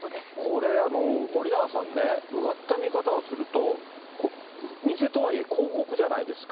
これ、森永さんね、うがった見方をすると、偽とはいえ、広告じゃないですか。